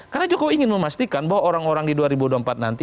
karena jokowi ingin memastikan bahwa orang orang di dua ribu dua puluh empat nanti